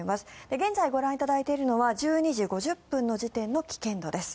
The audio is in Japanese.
現在、ご覧いただいているのは１２時５０分の時点の危険度です。